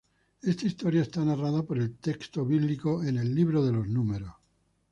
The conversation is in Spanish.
Esta historia es narrada por el texto bíblico en el "Libro de los Números".